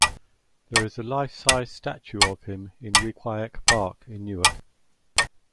There is a life size statue of him in Weequahic Park in Newark.